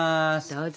どうぞ！